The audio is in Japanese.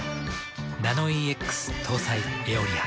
ナノイーＸ搭載「エオリア」。